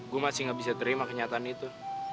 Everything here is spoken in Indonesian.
gue masih gak bisa terima kenyataan itu